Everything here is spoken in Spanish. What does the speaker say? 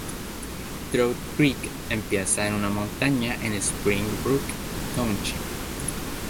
Trout Creek empieza en una montaña en Spring Brook Township.